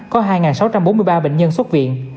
có hai sáu trăm bốn mươi ba bệnh nhân xuất viện